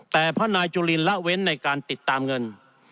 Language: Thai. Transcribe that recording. แต่เพราะนายจุลินละเว้นในการติดตามเงิน